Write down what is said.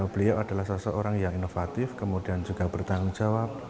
beliau adalah seseorang yang inovatif kemudian juga bertanggung jawab